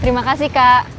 terima kasih kak